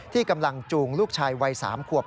กำลังจูงลูกชายวัย๓ขวบ